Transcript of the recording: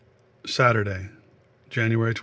Saturday, January 27.